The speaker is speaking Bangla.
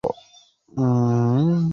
ইহা আমাদের কোন লক্ষ্যে লইয়া যাইতে পারে না।